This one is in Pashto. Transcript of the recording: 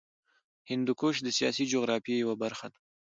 هندوکش د سیاسي جغرافیه یوه برخه ده.